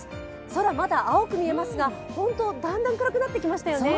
空、まだ青く見えますがだんだん暗くなってきましたよね。